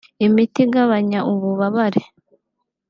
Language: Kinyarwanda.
imiti igabanya ububabare